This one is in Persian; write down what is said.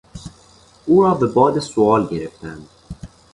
او را به باد سؤال گرفتند.